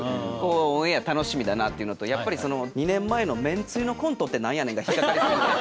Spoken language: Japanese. オンエア楽しみだなっていうのとやっぱり２年前のめんつゆのコントって何やねんが引っかかり過ぎて。